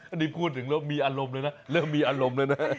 อันนี้พูดถึงเริ่มมีอารมณ์เลยนะเริ่มมีอารมณ์แล้วนะ